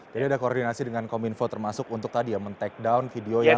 jadi ada koordinasi dengan kominfo termasuk untuk tadi ya men take down video yang